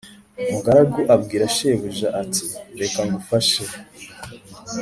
Umugaragu abwira shebuja ati reka ngufashe